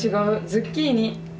ズッキーニ。